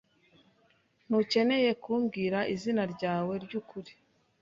Ntukeneye kumbwira izina ryawe ryukuri.